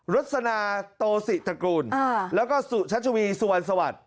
รัฐสนาโตศิษฐกรุณแล้วก็ชัชวีสุวรรณสวัสดิ์